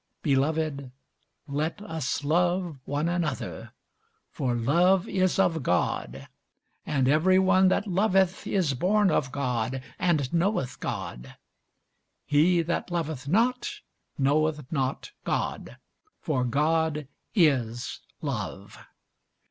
Beloved, let us love one another: for love is of God; and every one that loveth is born of God, and knoweth God. He that loveth not knoweth not God; for God is love.